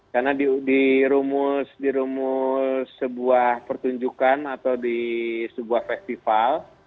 karena di rumus sebuah pertunjukan atau di sebuah festival